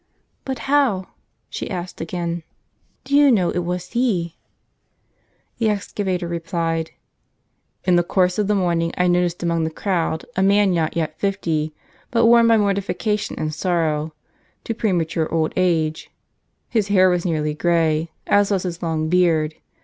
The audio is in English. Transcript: " But how," she asked again, " do you know it was he ?" The excavator replied :" In the course of the morning I noticed, among the crowd, a man not yet fifty, but worn by mortification and sorrow, to premature old age. His hair was nearly grey, as was his long beard.